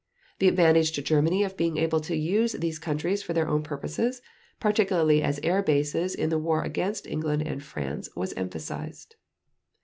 The advantage to Germany of being able to use these countries for their own purposes, particularly as air bases in the war against England and France, was emphasized.